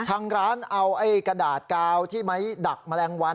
ทางร้านเอาไอ้กระดาษกาวที่ไม้ดักแมลงวัน